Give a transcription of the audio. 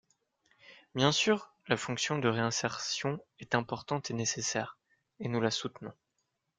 Bien sûr, la fonction de réinsertion est importante et nécessaire, et nous la soutenons.